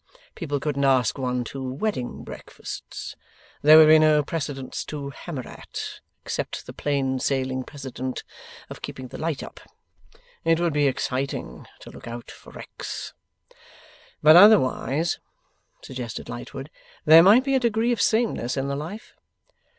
People couldn't ask one to wedding breakfasts. There would be no Precedents to hammer at, except the plain sailing Precedent of keeping the light up. It would be exciting to look out for wrecks.' 'But otherwise,' suggested Lightwood, 'there might be a degree of sameness in the life.